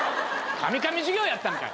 カミカミ授業やったんかい！